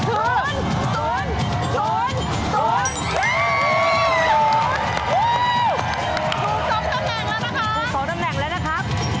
ถูกซ้อมตำแหน่งแล้วนะคะ